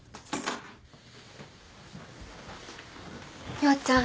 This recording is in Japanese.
陽ちゃん